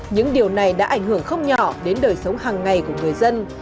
những điều này đã ảnh hưởng không nhỏ đến đời sống hàng ngày của người dân